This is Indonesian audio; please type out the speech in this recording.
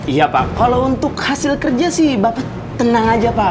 iya pak kalau untuk hasil kerja sih bapak tenang aja pak